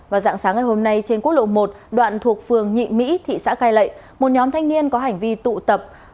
vào dạng sáng ngày hôm nay trên quốc lộ một đoạn thuộc phường nhị mỹ thị xã cai lệ một nhóm thanh niên có hành vi tụ tập